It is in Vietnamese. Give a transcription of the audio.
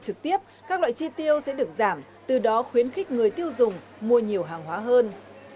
trực tiếp các loại chi tiêu sẽ được giảm từ đó khuyến khích người tiêu dùng mua nhiều hàng hóa hơn